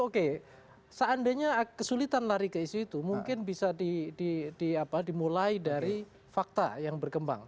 oke seandainya kesulitan lari ke isu itu mungkin bisa dimulai dari fakta yang berkembang